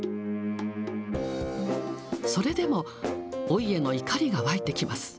それでも、老いへの怒りが湧いてきます。